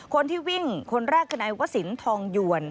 คนที่วิ่งคนแรกคือนายวสินทองหยวน